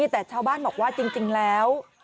แต่ชาวบ้านบอกว่าจริงแล้ว